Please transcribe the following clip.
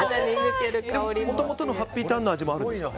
もともとのハッピーターンの味もあるんですか？